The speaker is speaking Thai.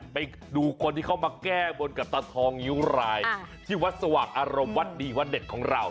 ไปดูคนที่เขามาแก้บนกับตาทองนิ้วรายที่วัดสว่างอารมณ์วัดดีวัดเด็ดของเรา